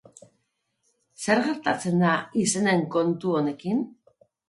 Zer gertatzen da izenen kontu honekin?